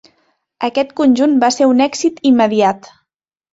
Aquest conjunt va ser un èxit immediat.